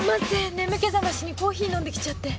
眠気覚ましにコーヒー飲んで来ちゃって。